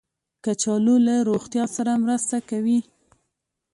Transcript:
کچالو له روغتیا سره مرسته کوي